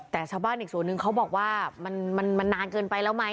แต่ชาวบ้านอีกส่วนนึงเขาบอกว่ามันนานเกินไปแล้วไหม